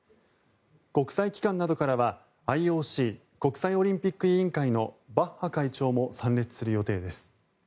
国際機関などからは、ＩＯＣ・国際オリンピック委員会のバッハ会長も参列する予定です。